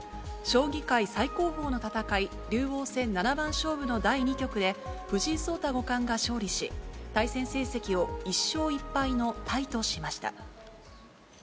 将棋界最高峰の戦い、竜王戦七番勝負の第２局で、藤井聡太五冠が勝利し、対戦成績を１勝１敗のタイとしました。